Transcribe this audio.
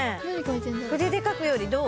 筆で描くよりどう？